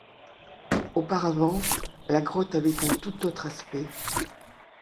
Auparavant, la grotte avait un tout autre aspect.